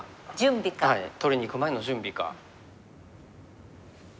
取りにいく前の準備か。